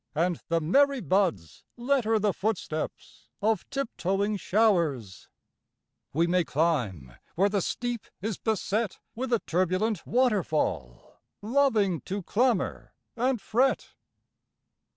And the merry buds letter the foot steps of tip toeing showers ; We may climb where the steep is beset With a turbulent waterfall, loving to clamor and fret!